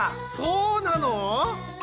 そうなの！？